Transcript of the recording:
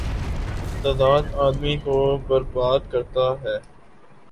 تضاد آ دمی کو بر باد کر تا ہے۔